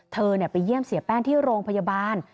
ไปเยี่ยมเสียแป้งที่โรงพยาบาล